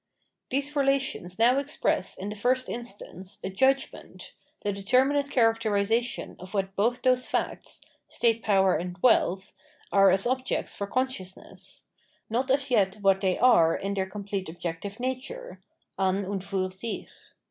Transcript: These relations now express, in the first instance, a judgment, the determinate characterisation of what both those facts [state power and wealth] are as objects for consciousness ; not as yet what they are in their complete objective nature {an und fur sicJi).